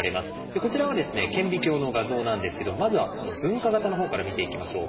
こちらは顕微鏡の画像なんですけどまずはこの分化型のほうから見ていきましょう。